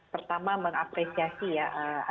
pertama mengapresiasi ya